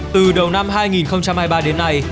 từ đầu năm hai nghìn hai mươi ba đến nay